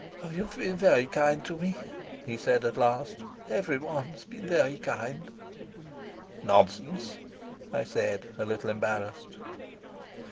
"You've been very kind to me," he said at last. "Everyone's been very kind." "Nonsense," I said, a little embarrassed.